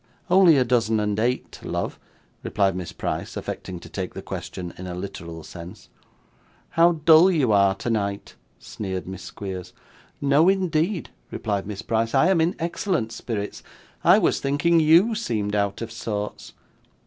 'Only a dozen and eight, love,' replied Miss Price, affecting to take the question in a literal sense. 'How dull you are tonight!' sneered Miss Squeers. 'No, indeed,' replied Miss Price, 'I am in excellent spirits. I was thinking YOU seemed out of sorts.